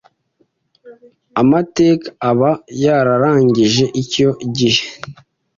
Amateka aba yararangiye icyo gihe